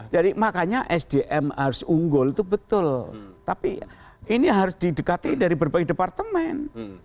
jadi makanya sdm harus unggul itu betul tapi ini harus di dekati dari berbagai departemen